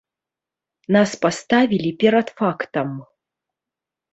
Нас паставілі перад фактам.